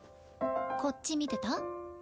こっち見てた？